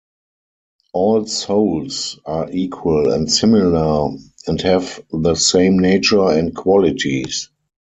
All souls are equal and similar and have the same nature and qualities.